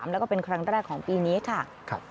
แล้วก็เป็นครั้งแรกของปีนี้ค่ะ